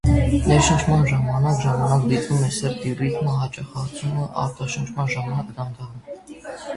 Ներշնչման ժամանակ ժամանակ դիտվում է սրտի ռիթմի հաճախացում, արտաշնչման ժամանակ՝ դանդաղում։